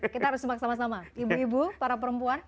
kita harus simak sama sama ibu ibu para perempuan